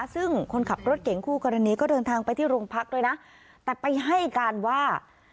ซึ่งคนขับรถเก่งคู่กรณีก็เดินทางไปที่โรงพักด้วยนะแต่ไปให้การว่า